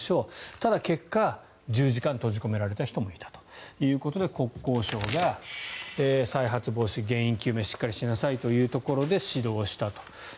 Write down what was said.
ただ、結果１０時間閉じ込められた人もいたということで国交省が再発防止・原因究明しっかりしなさいというところでしっかり指導しました。